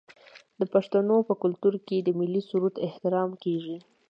د پښتنو په کلتور کې د ملي سرود احترام کیږي.